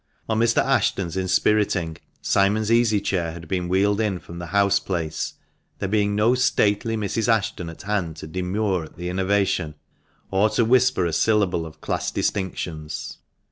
On Mr. Ashton's inspiriting, Simon's easy chair had been wheeled in from the house place, there being no stately Mrs. Ashton at hand to demur at the innovation, or to whisper a syllable of class distinctions.